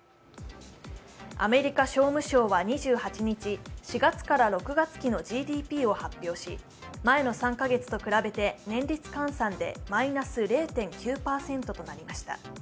アメリカ商務省は２８日、４月から６月期のＧＤＰを発表し前の３カ月と比べて年率換算でマイナス０．９％となりました。